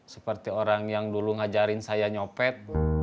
seperti orang yang dulu ngajarin saya nyopet